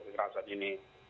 dan kekerasan ini